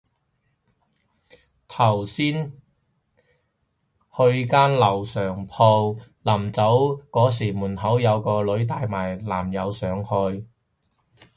頭先去間樓上鋪，臨走嗰時門口有個女仔帶埋男友上去